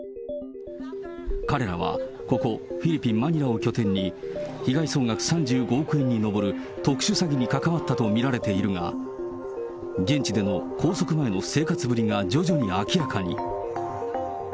彼らはここ、フィリピン・マニラを拠点に、被害総額３５億円に上る特殊詐欺に関わったと見られているが、現地での拘束前の生活ぶりが徐々に明らかに。